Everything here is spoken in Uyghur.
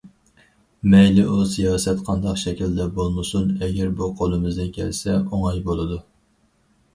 مەيلى ئۇ سىياسەت قانداق شەكىلدە بولمىسۇن، ئەگەر بۇ قولىمىزدىن كەلسە ئوڭاي بولىدۇ.